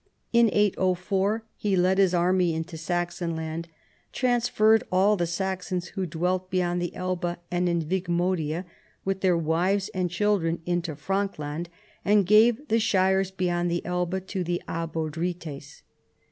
In 801 he led his army into Saxon land, " transferred all the Saxons who dwelt beyond the Elbe and in AVigmodia with their wives and children into Frank land, and gave the shires beyond the Elbe to the Abodrites."